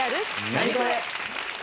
ナニコレ。